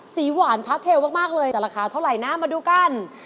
สีหวานพาเทลมากเลยจะราคาเท่าไหร่นะมาดูกัน